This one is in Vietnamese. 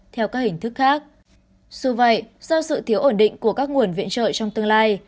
theo các hình thức khác dù vậy do sự thiếu ổn định của các nguồn viện trợ trong tương lai